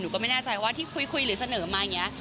ก็ไม่แน่ใจว่าที่คุยหรือเสนอมาอย่างนี้